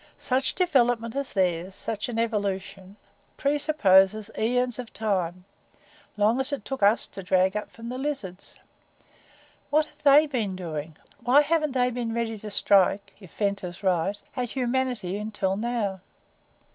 "Such development as theirs, such an evolution, presupposes aeons of time long as it took us to drag up from the lizards. What have they been doing why haven't they been ready to strike if Ventnor's right at humanity until now?"